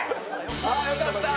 ああよかった。